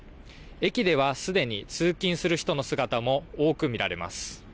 駅ではすでに通勤する人の姿も多く見られます。